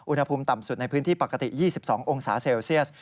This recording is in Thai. อุณหภูมิต่ำสุดในพื้นที่ปกติ๒๒องศาเซลเซียส